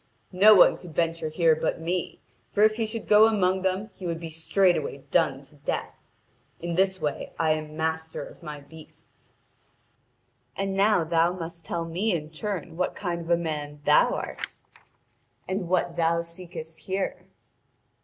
No one could venture here but me, for if he should go among them he would be straightway done to death. In this way I am master of my beasts. And now thou must tell me in turn what kind of a man thou art, and what thou seekest here.'